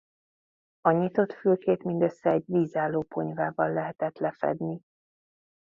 A nyitott fülkét mindössze egy vízálló ponyvával lehetett lefedni.